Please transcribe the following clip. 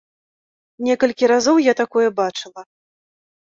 Некалькі разоў я такое бачыла.